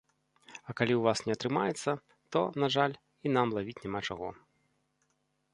А калі ў вас не атрымаецца, то, на жаль, і нам лавіць няма чаго.